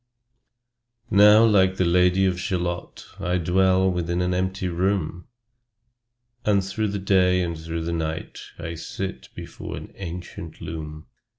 Now like the Lady of Shalott, I dwell within an empty room, And through the day and through the night I sit before an ancient loom.